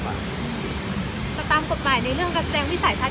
แต่ตามกฎหมายในเรื่องการแสดงวิสัยทัศ